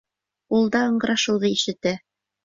Ул да ыңғырашыуҙы ишетә.